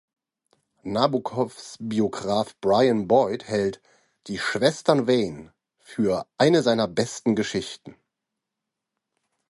Nabokovs Biograph Brian Boyd hält "Die Schwestern Vane" für eine seiner besten Geschichten.